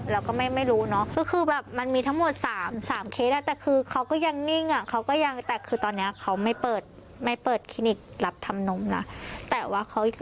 เราก็ไม่รู้เนอะก็คือแบบมันมีทั้งหมด๓เคสแล้ว